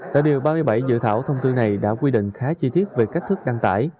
tại điều ba mươi bảy dự thảo thông tư này đã quy định khá chi tiết về cách thức đăng tải